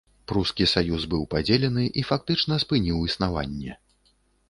Прускі саюз быў падзелены і фактычна спыніў існаванне.